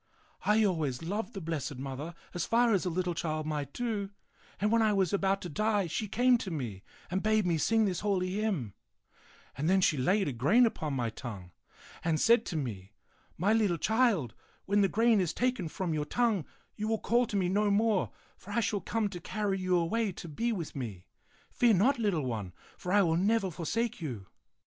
I always loved the Blessed Mother as far as a little child might do, and when I was about to die, she came to me and bade me sing this holy hymn; and then she laid a grain upon my tongue and said to me, * My little child, when the grain is taken from your tongue, you will call to me no more, for I shall come to carry you away to be with me. Fear not, little one, for I will never forsake you.